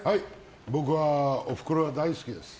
僕はおふくろが大好きです。